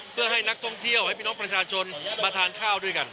เพื่อให้นักท่องเที่ยวให้พี่น้องประชาชนมาทานข้าวด้วยกัน